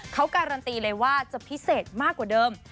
เขาการันตีเลยว่าจะพิเศษมากกว่าเดิม